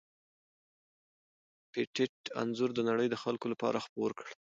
پېټټ انځور د نړۍ د خلکو لپاره خپور کړ.